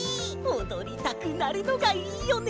おどりたくなるのがいいよね！